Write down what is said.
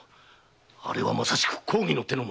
あれはまさしく公儀の手の者。